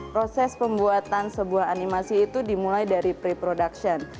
proses pembuatan sebuah animasi itu dimulai dari pre production